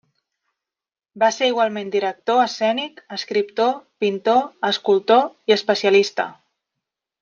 Va ser igualment director escènic, escriptor, pintor, escultor, i especialista.